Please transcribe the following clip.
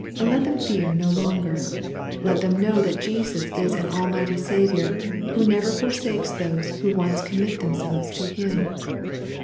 Let them fear no longer. Let them know that Jesus is an Almighty Saviour, who never for sakes those who once commit themselves to Him.